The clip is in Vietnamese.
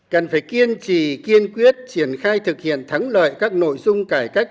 cần phải kiên trì kiên quyết triển khai thực hiện thắng lợi các nội dung cải cách